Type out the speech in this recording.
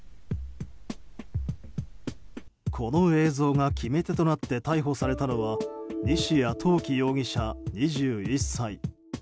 この映像が決め手となって逮捕されたのは西谷龍樹容疑者、２１歳。